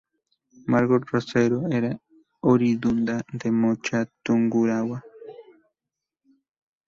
Margot Rosero era oriunda de Mocha, Tungurahua.